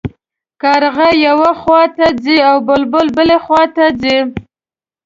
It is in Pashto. کارغه یوې خوا ته ځي او بلبل بلې خوا ته ځي.